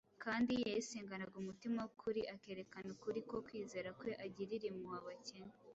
kandi yayisenganaga umutima w’ukuri akerekana ukuri ko kwizera kwe agirira impuhwe abakene.